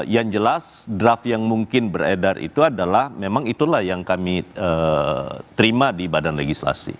yang jelas draft yang mungkin beredar itu adalah memang itulah yang kami terima di badan legislasi